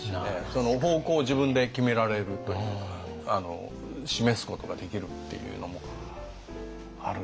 その方向を自分で決められるというか示すことができるっていうのもあるんじゃ。